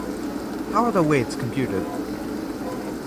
How are the weights computed?